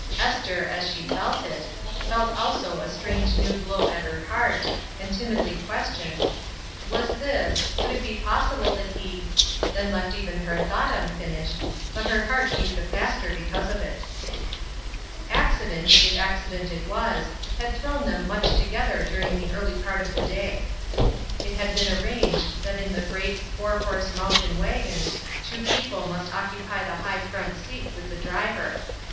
Esther, as she felt it, felt also a strange new glow at her heart, and timidly questioned, ''Was this — could it be possible that he —'' She left even her thought unfinished, but her heart beat the faster because of it. HARMONY AND DISCORD 121 Accident, if accident it was, had thrown them much together during the early part of the day. It had been arranged that in the great four horse mountain wagon two people must occupy the high front seat with the driver.